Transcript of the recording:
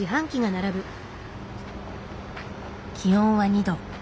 気温は２度。